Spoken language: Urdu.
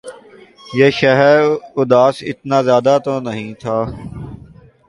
یہ شہر اداس اتنا زیادہ تو نہیں تھا